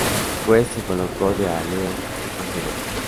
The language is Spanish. West se colocó de alero, y funcionó.